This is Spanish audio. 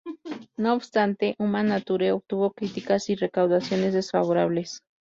No obstante, "Human Nature" obtuvo críticas y recaudaciones desfavorables.